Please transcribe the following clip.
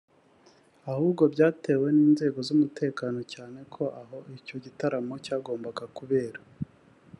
ahubwo byatewe n’inzego z’umutekano cyane ko aho icyo gitaramo cyagombaga kubera